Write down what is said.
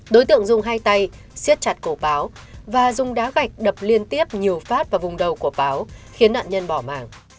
đối tượng dùng hai tay siết chặt cổ páo và dùng đá gạch đập liên tiếp nhiều phát vào vùng đầu của páo khiến nạn nhân bỏ mạng